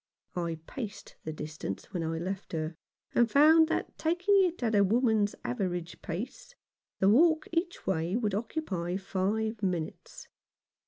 I paced the distance when I left her, and found that, taking it at a woman's average pace, the walk each way would occupy five minutes.